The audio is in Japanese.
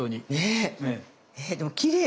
えでもきれい！